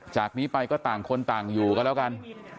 จากนี้ไปก็ต่างคนต่างอยู่ก็แล้วกัน